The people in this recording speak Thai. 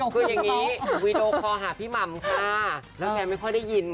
คืออย่างนี้วีดีโอคอลหาพี่หม่ำค่ะแล้วแกไม่ค่อยได้ยิน